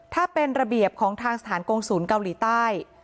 ถ้าเป็นระเบียบของทางสถานกงศูนย์เกาหลีใต้